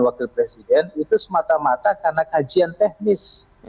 wakil presiden itu semata mata karena kajian teknis